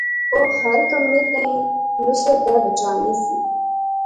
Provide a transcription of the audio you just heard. او ہر کمے تھی نصرتا بچانی سی